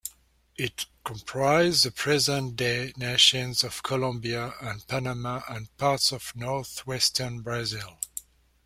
It comprised the present-day nations of Colombia and Panama and parts of northwestern Brazil.